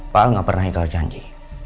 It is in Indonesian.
pak al gak pernah ikat janji